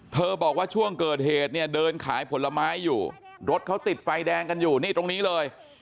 บอกว่าช่วงเกิดเหตุเนี่ยเดินขายผลไม้อยู่รถเขาติดไฟแดงกันอยู่นี่ตรงนี้เลย